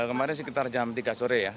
kemarin sekitar jam tiga sore ya